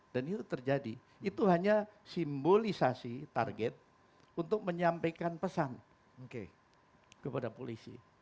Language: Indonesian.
dan itu terjadi itu hanya simbolisasi target untuk menyampaikan pesan kepada polisi